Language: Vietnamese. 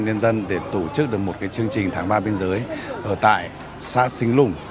công an nhân dân để tổ chức được một cái chương trình tháng ba biên giới ở tại xã xích lùng